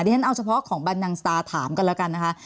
ฉันเอาเฉพาะของบรรนังสตาร์ถามกันแล้วกันนะคะ